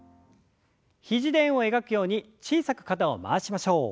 肘で円を描くように小さく肩を回しましょう。